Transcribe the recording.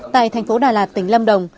tại tp đà lạt tỉnh lâm đồng